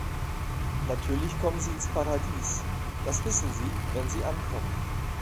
Natürlich kommen sie ins Paradies, das wissen sie, wenn sie ankommen.